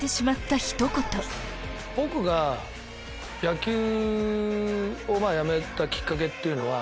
僕が野球をやめたきっかけっていうのは。